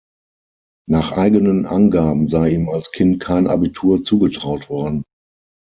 Nach eigenen Angaben sei ihm als Kind kein Abitur zugetraut worden.